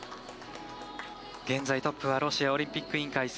現在トップはＲＯＣ＝ロシアオリンピック委員会